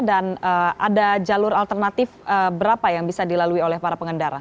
ada jalur alternatif berapa yang bisa dilalui oleh para pengendara